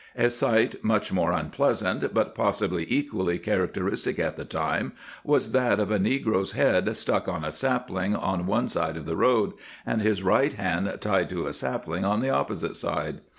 A sight much more unpleasant, but possibly equally characteristic at the time, was that of a negro's head stuck on a sapling on one side of the road, and his right hand tied to a sapling on the opposite side.